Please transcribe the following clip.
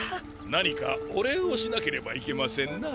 何かお礼をしなければいけませんな。